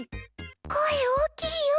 声大きいよお！